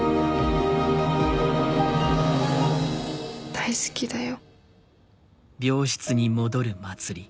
「大好きだよ」。